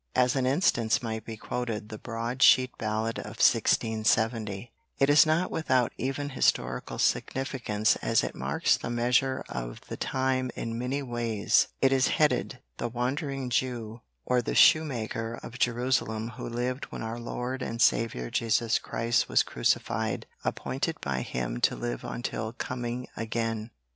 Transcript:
As an instance might be quoted the broad sheet ballad of 1670. It is not without even historical significance as it marks the measure of the time in many ways. It is headed: "The Wandering Jew, or the Shoemaker of Jerusalem who lived when Our Lord and Saviour Jesus Christ was crucified appointed by Him to live until Coming again.